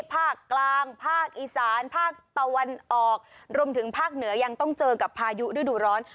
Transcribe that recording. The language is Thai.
ภาคกลางภาคอีสานภาคตะวันออกรวมถึงภาคเหนือยังต้องเจอกับพายุฤดูร้อน